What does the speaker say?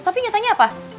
tapi ngertanya apa